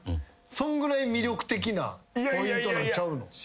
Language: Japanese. そんぐらい魅力的なポイントなんちゃうの？